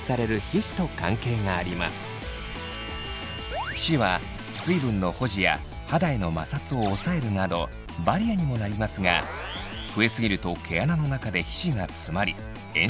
皮脂は水分の保持や肌への摩擦を抑えるなどバリアにもなりますが増えすぎると毛穴の中で皮脂が詰まり炎症状態が起きます。